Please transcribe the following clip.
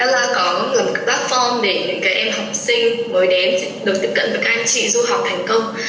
ella có rất là nhiều cái platform để những cái em học sinh mới đến được tiếp cận với các anh chị du học thành công